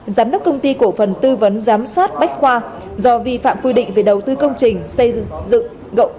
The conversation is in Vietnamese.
giám đốc công ty cổ phần tư vấn giám sát bách khoa do vi phạm quy định về đầu tư công trình xây dựng